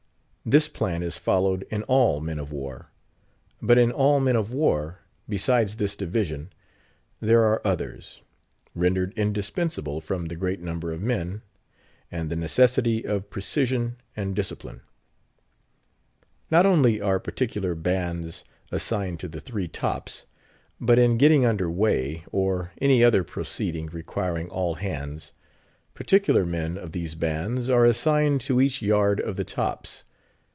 This plan is followed in all men of war. But in all men of war, besides this division, there are others, rendered indispensable from the great number of men, and the necessity of precision and discipline. Not only are particular bands assigned to the three tops, but in getting under weigh, or any other proceeding requiring all hands, particular men of these bands are assigned to each yard of the tops.